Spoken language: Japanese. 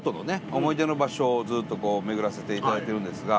思い出の場所をずっとこう巡らせていただいてるんですが。